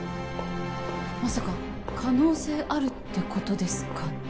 まさか可能性あるってことですかね